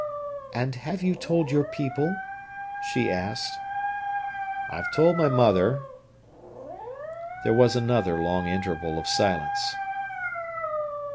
"And have you told your people?" she asked. "I have told my mother." There was another long interval of silence.